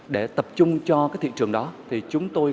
để tập trung cho cái thị trường đó thì chúng tôi